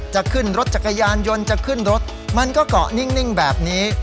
จะขึ้นรถจักรยานยนต์จะขึ้นรถมันก็เกาะนิ่งแบบนี้